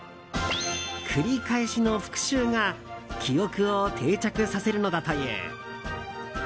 繰り返しの復習が記憶を定着させるのだという。